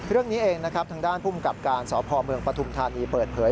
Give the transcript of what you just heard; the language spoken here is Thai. เรื่องนี้เองนะครับทางด้านภูมิกับการสพเมืองปฐุมธานีเปิดเผย